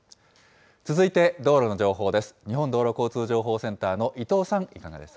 続いて、道路の情報です。